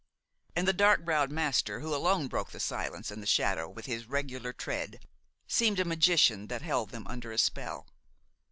And the dark browed master, who alone broke the silence and the shadow with his regular tread, seemed a magician who held them under a spell.